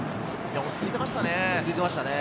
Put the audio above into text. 落ち着いていましたね。